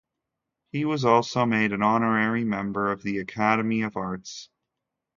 He was also made an honorary member of the Academy of Arts.